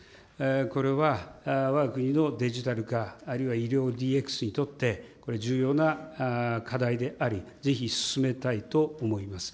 これは、わが国のデジタル化、あるいは医療ＤＸにとって、これ、重要な課題であり、ぜひ進めたいと思います。